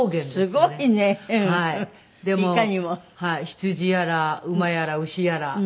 羊やら馬やら牛やらバーッと。